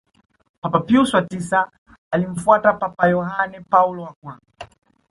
papa pius wa tisa alimfuata Papa yohane paulo wa kwanza